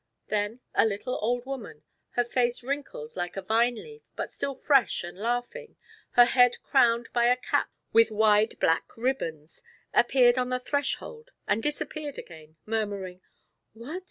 Then a little old woman, her face wrinkled like a vine leaf, but still fresh and laughing, her head crowned by a cap with wide black ribbons, appeared on the threshold and disappeared again, murmuring: "What?